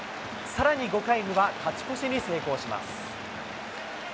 さらに５回には勝ち越しに成功します。